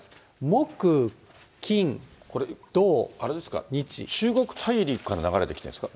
木、金、土、これ、あれですか、中国大陸から流れてきてるんですか？